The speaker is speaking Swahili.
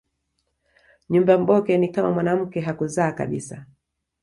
Nyumba mboke ni kama mwanamke hakuzaa kabisa